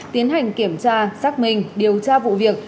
tiến hành kiểm tra xác minh điều tra vụ việc